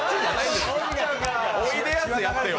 おいでやすやってよ。